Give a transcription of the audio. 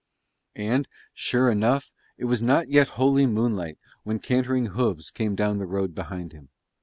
And, sure enough, it was not yet wholly moonlight when cantering hooves came down the road behind him.